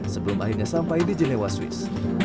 sebelum akhirnya sampai di genewa swiss